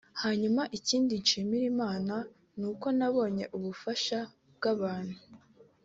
Hanyuma ikindi nshimira Imana nuko nabonye ubufasha bw'abantu